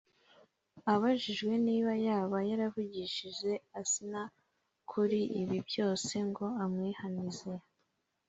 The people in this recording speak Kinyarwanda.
Abajijwe niba yaba yaravugishije Asinah kuri ibi byose ngo amwihanize